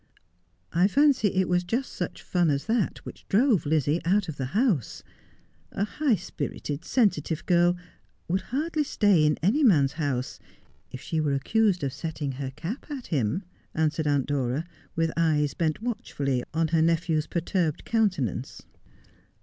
' I fancy it was just such fun as that which drove Lizzie out of the house. A high spirited, sensitive girl would hardly stay in any man's house if she were accused of setting her cap at him,' answered Aunt Dora, with eyes bent watchfully on her nephew's perturbed countenance.